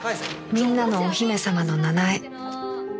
みんなのお姫様の奈々江